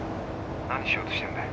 何しようとしてんだよ！？